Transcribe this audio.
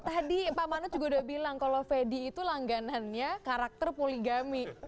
tadi pak manut juga udah bilang kalau fedy itu langganannya karakter poligami